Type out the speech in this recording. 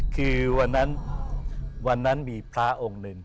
คือวันนั้นวันนั้นมีพระองค์หนึ่ง